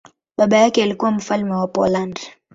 Baba yake alikuwa mfalme wa Poland.